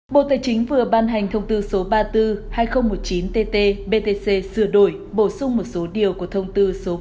bộ tài chính vừa ban hành thông tư số ba mươi bốn hai nghìn một mươi chín tt btc sửa đổi bổ sung một số điều của thông tư số bốn mươi hai nghìn một mươi tám tt btc